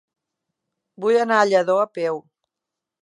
Vull anar a Lladó a peu.